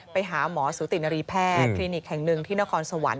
ไปหาหมอสุตินรีแพทย์คลินิกแห่งหนึ่งที่นครสวรรค